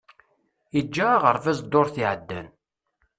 Iǧǧa aɣerbaz ddurt iεeddan.